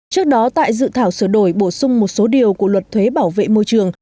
trước đó tại dự thảo sửa đổi bổ sung một số điều của luật thuế bảo vệ môi trường